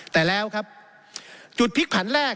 แต่แล้วครับจุดพลิกผันแรก